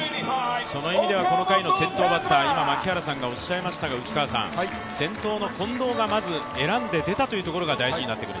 その意味ではこの回の先頭バッター、先頭の近藤がまず選んで出たというところが大事になってくる。